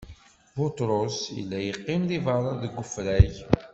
Buṭrus illa yeqqim di beṛṛa, deg ufrag.